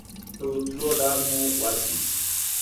د ورتلو ډاډ مو ورکړ.